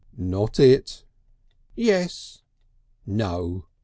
"Not it." "Yes." "No."